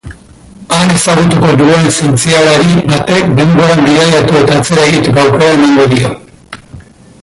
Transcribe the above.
Han ezagutuko duen zientzialari batek denboran bidaiatu eta atzera egiteko aukera emango dio.